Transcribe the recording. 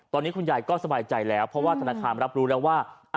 ตอนนี้คุณยายก็สบายใจแล้วเพราะว่าธนาคารรับรู้แล้วว่า